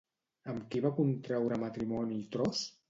Amb qui va contraure matrimoni Tros?